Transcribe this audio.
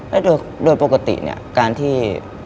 แล้วโดยปกติเนี่ยการที่